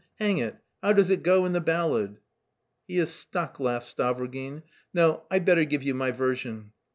hang it, how does it go in the ballad?" "He is stuck," laughed Stavrogin. "No, I'd better give you my version.